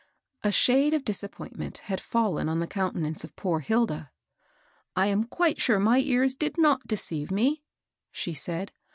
A shade of disappointment had fallen on the countenance of poor Hilda. " I am quite sure my ears did not deceive me," she said.